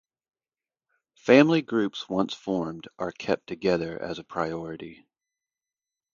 Family groups once formed are kept together as a priority.